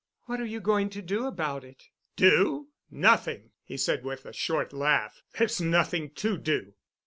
"What are you going to do about it?" "Do? Nothing," he said with a short laugh. "There's nothing to do.